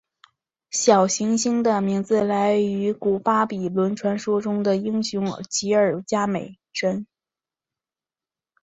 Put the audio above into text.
小行星的名字来自古巴比伦传说中的英雄吉尔伽美什。